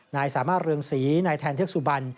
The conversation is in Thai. นายสามารถเรืองศรีนายแทนเทือกสุบัน